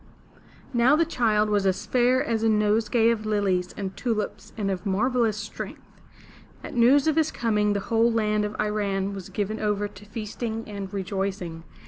Now the child was as fair as a nosegay of lilies and tulips and of marvelous strength. At news of his coming the whole land of I ran' was given over to feasting and rejoicing.